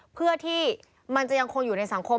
เพื่อที่มันจะยังคงอยู่ในสังคม